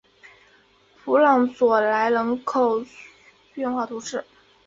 普朗佐莱人口变化图示